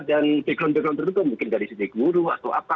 dan background background terdekat mungkin dari sisi guru atau apa